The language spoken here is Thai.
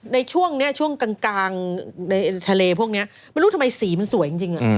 ในช่วงนี้ช่วงกลางในทะเลพวกนี้ไม่รู้ทำไมสีมันสวยจริง